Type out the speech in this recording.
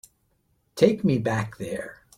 Take me back there.